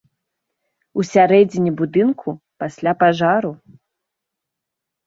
У сярэдзіне будынку пасля пажару.